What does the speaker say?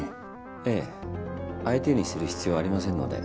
ええ相手にする必要はありませんので。